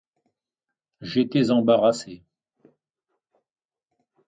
J'étais embarrassé.